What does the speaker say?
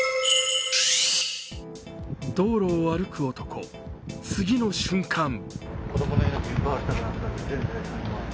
道路を歩く男、次の瞬間